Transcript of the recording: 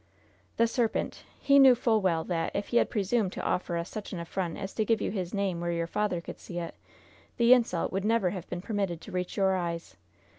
"The serpent! He knew full well that, if he had presumed to offer us such an affront as to give you his name where your father could see it, the insult would never have been permitted to reach your eyes!